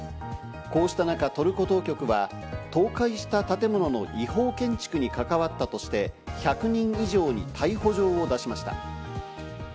こうした中、トルコ当局は倒壊した建物の違法建築に関わったとして、１００人以上に逮捕状を出しました。